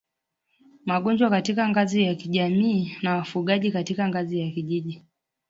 magonjwa katika ngazi ya kijamii na wafugaji katika ngazi ya kijiji